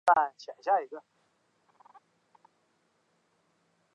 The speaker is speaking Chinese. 飞机和船舶承担的地磁测量在磁暴期间可以快速的受到磁场改变影响。